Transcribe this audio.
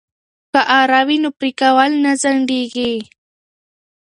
که اره وي نو پرې کول نه ځنډیږي.